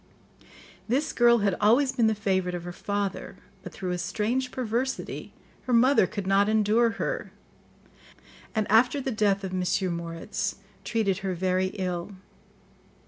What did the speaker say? This girl had always been the favourite of her father, but through a strange perversity, her mother could not endure her, and after the death of M. Moritz, treated her very ill.